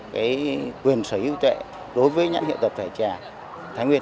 cái quyền sở hữu chè đối với nhãn hiệu tập thể chè thái nguyên